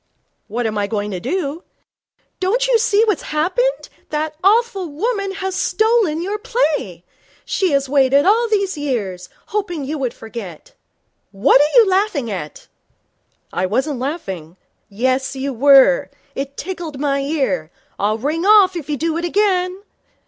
'What am I going to do?' 'Don't you see what's happened? That awful woman has stolen your play. She has waited all these years, hoping you would forget. What are you laughing at?' 'I wasn't laughing.' 'Yes, you were. It tickled my ear. I'll ring off if you do it again.